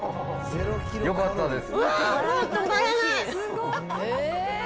よかったです。